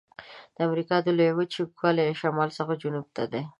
د امریکا د لویې وچې اوږدوالی له شمال څخه جنوب ته دی.